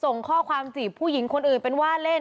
ส่งข้อความจีบผู้หญิงคนอื่นเป็นว่าเล่น